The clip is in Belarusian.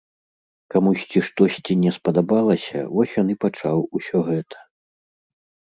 Камусьці штосьці не спадабалася, вось ён і пачаў усё гэта.